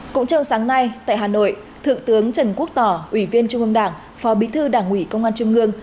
cũng trong sáng nay tại hà nội thượng tướng trần quốc tỏ ủy viên trung ương đảng phó bí thư đảng ủy công an trung ương